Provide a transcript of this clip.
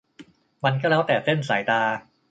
มันก็แล้วแต่เส้นสายตา